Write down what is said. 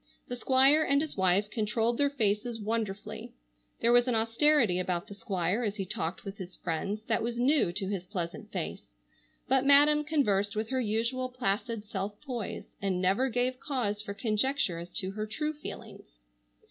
The Squire and his wife controlled their faces wonderfully. There was an austerity about the Squire as he talked with his friends that was new to his pleasant face, but Madam conversed with her usual placid self poise, and never gave cause for conjecture as to her true feelings.